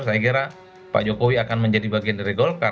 saya kira pak jokowi akan menjadi bagian dari golkar